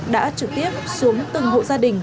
đã trực tiếp xuống từng hộ gia đình